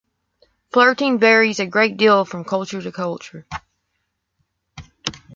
Flirting varies a great deal from culture to culture.